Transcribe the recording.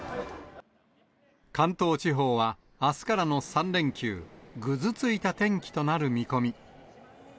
関東地方はあすからの３連休、ぐずついた天気となる見込み。